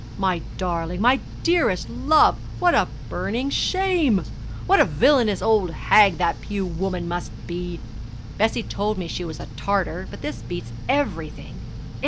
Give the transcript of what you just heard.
'My darling, my dearest love, what a burning shame! What a villainous old hag that Pew woman must be! Bessie told me she was a Tartar, but this beats everything.